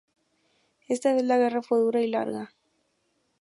Esta vez la guerra fue dura y larga.